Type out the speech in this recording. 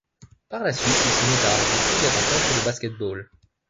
Par la suite, il se met à arbitrer des rencontres de basket-ball.